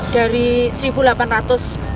dari rp satu delapan ratus